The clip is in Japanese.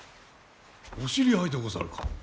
お知り合いでござるか？